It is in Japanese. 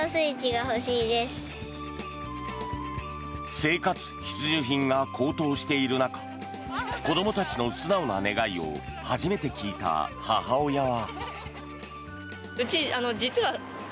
生活必需品が高騰している中子どもたちの素直な願いを初めて聞いた母親は。